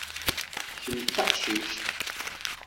Kem d taqcict?